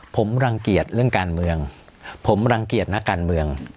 ผมรังเกียจเรื่องการเมืองผมรังเกียจนักการเมือง